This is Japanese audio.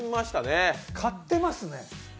買ってますね。